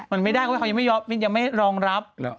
มันไม่ได้เพราะเขายังไม่รองรับ